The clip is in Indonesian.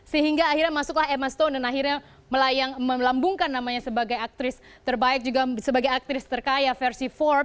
sehingga akhirnya masuklah emma stone dan akhirnya melambungkan namanya sebagai aktris terbaik juga sebagai aktris terkaya versi empat